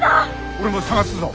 俺も捜すぞ。